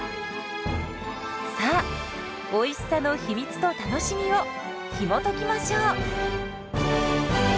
さあおいしさの秘密と楽しみをひもときましょう！